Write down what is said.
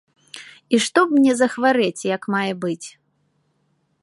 І што б мне захварэць як мае быць.